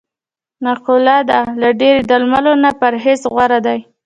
مقوله ده: له ډېری درملو نه پرهېز غور دی.